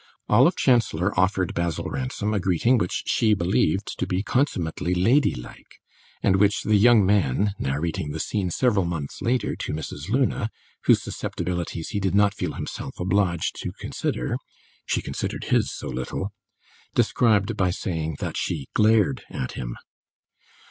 Olive Chancellor offered Basil Ransom a greeting which she believed to be consummately lady like, and which the young man, narrating the scene several months later to Mrs. Luna, whose susceptibilities he did not feel himself obliged to consider (she considered his so little), described by saying that she glared at him.